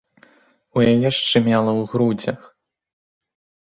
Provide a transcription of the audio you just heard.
У яе шчымела ў грудзях.